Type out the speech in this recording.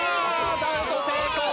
ダウト成功。